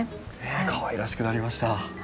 かわいらしくなりました。